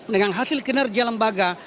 dengan hasil kinerja lembaga